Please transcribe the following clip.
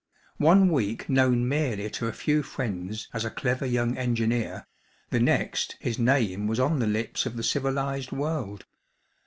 One week known merely to a few friends as a clever young engineer, the next his name was on the lips of the civilised world.